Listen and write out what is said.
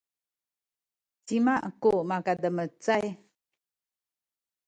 cima ku makademecay?